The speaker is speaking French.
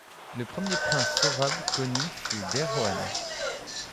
Le premier prince sorabe connu fut Derwan.